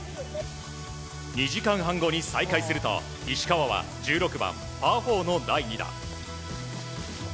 ２時間半後に再開すると石川は１６番、パー４の第２打。